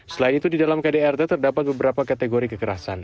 selain itu di dalam kdrt terdapat beberapa kategori kekerasan